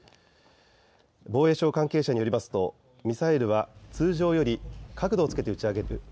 防衛省関係者によりますとミサイルは通常より角度をつけて打ち上げる。